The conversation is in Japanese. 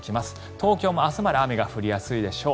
東京も明日まで雨が降りやすいでしょう。